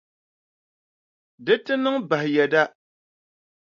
Di ti niŋ bahi yɛda.